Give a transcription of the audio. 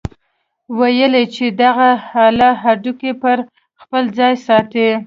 ويل يې چې دغه اله هډوکي پر خپل ځاى ساتي.